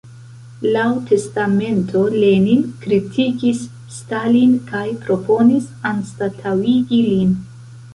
Laŭ testamento, Lenin kritikis Stalin kaj proponis anstataŭigi lin.